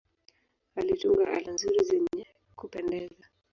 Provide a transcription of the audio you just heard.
Alitunga ala nzuri zenye kupendeza.